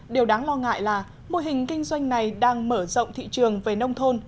điều đáng lo ngại là mô hình kinh doanh này đang mở rộng thị trường về nông thôn